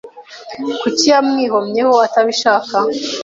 Kuki yamwihomyeho atabishaka